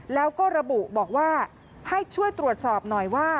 แล้วก็ระบุบอกว่าให้ช่วยตรวจสอบหน่อยว่า